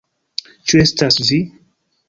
Ĉu estas vi?